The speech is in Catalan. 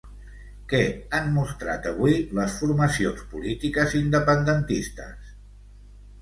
Què han mostrat avui les formacions polítiques independentistes?